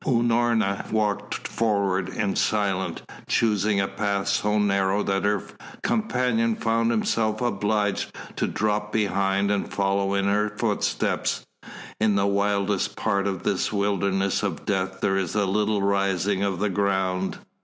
Unorna walked forward in silence, choosing a path so narrow that her companion found himself obliged to drop behind and follow in her footsteps. In the wildest part of this wilderness of death there is a little rising of the ground.